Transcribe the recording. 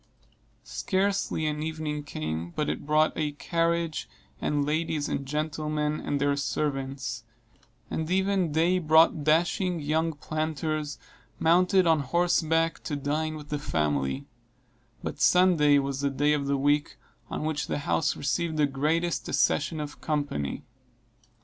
Scarcely an evening came but it brought a carriage, and ladies and gentlemen and their servants; and every day brought dashing young planters, mounted on horseback, to dine with the family; but Sunday was the day of the week on which the house received the greatest accession of company.